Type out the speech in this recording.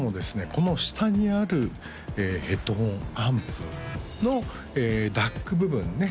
この下にあるヘッドホンアンプのＤＡＣ部分にね